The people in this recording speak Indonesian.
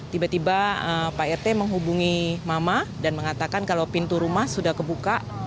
tiba tiba pak rt menghubungi mama dan mengatakan kalau pintu rumah sudah kebuka